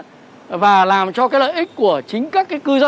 thế và nặng về cái lợi ích cho chủ đầu tư